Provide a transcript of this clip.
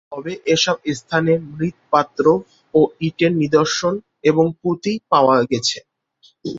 তবে এসব স্থানে মৃৎপাত্র ও ইটের নিদর্শন এবং পুঁতি পাওয়া গেছে।